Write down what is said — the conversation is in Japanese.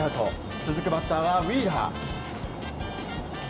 続くバッターは、ウィーラー。